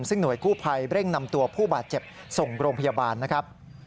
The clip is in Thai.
ซึ่งหน่วยกู้ภัยเร่งนำตัวผู้บาดเจ็บส่งโรงพยาบาลนะครับ